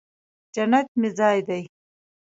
جنت مې ځای دې